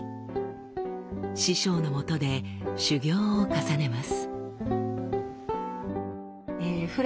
師匠のもとで修業を重ねます。